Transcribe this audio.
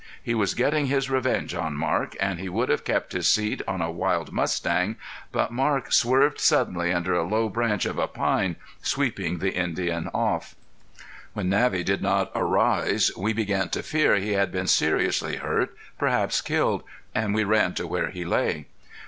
He was getting his revenge on Marc, and he would have kept his seat on a wild mustang, but Marc swerved suddenly under a low branch of a pine, sweeping the Indian off. When Navvy did not rise we began to fear he had been seriously hurt, perhaps killed, and we ran to where he lay.